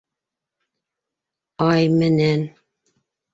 Ай менән.